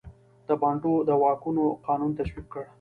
د بانټو د واکونو قانون تصویب کړ.